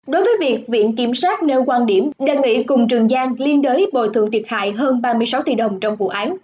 đối với việc viện kiểm sát nêu quan điểm đề nghị cùng trường giang liên đới bồi thường thiệt hại hơn ba mươi sáu tỷ đồng trong vụ án